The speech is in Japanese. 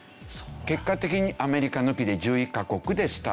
結果的にアメリカ抜きで１１カ国でスタートした。